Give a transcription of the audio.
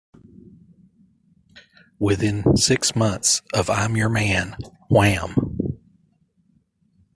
Within six months of "I'm Your Man", Wham!